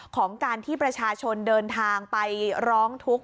ของการที่ประชาชนเดินทางไปร้องทุกข์